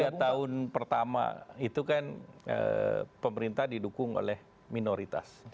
tiga tahun pertama itu kan pemerintah didukung oleh minoritas